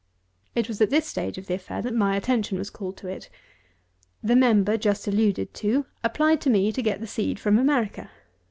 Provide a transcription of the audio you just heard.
214. It was in this stage of the affair that my attention was called to it. The member just alluded to applied to me to get the seed from America.